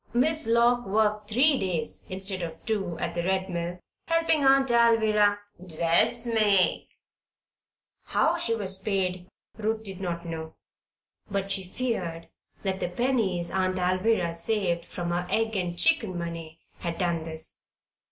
Miss Lock worked three days, instead of two, at the Red Mill, helping Aunt Alvirah "dress make." How she was paid, Ruth did not know; but she feared that the pennies Aunt Alvirah saved from her egg and chicken money had done this.